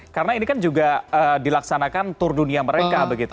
karena ini kan juga dilaksanakan tur dunia mereka begitu ya